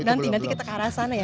nanti nanti kita ke arah sana ya